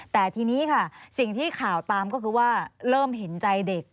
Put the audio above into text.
แต่ทีนี้ค่ะสิ่งที่ข่าวตามก็คือว่าเริ่มเห็นใจเด็ก